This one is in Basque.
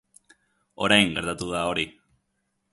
Orain gertatu da hori.